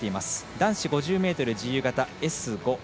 男子５０ｍ自由形Ｓ５。